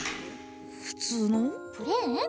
普通のプレーン？